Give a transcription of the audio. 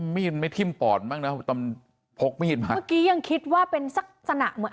มีดไม่ทิ่มปอดบ้างนะตอนพกมีดมาเมื่อกี้ยังคิดว่าเป็นลักษณะเหมือน